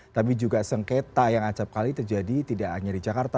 tapi juga sengketa yang acapkali terjadi tidak hanya di jakarta